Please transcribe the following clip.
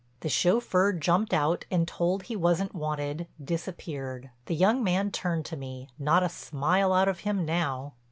The chauffeur jumped out, and, told he wasn't wanted, disappeared. The young man turned to me, not a smile out of him now.